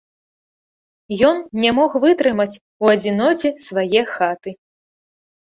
Ён не мог вытрымаць у адзіноце свае хаты.